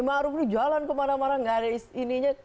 makruf jalan kemana mana gak ada ininya